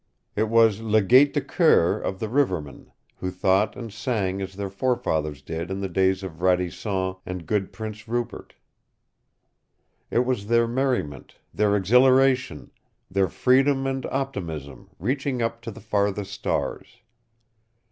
It was LE GAITE DE COEUR of the rivermen, who thought and sang as their forefathers did in the days of Radisson and good Prince Rupert; it was their merriment, their exhilaration, their freedom and optimism, reaching up to the farthest stars.